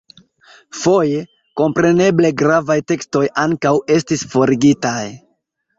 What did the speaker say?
Foje, kompreneble, gravaj tekstoj ankaŭ estis forigitaj.